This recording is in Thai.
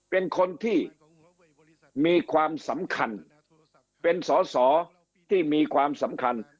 เป็นคนที่มีความสำคัญเป็นสอสอที่มีความสำคัญ